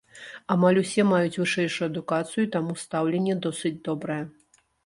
Амаль усе маюць вышэйшую адукацыю і таму стаўленне досыць добрае.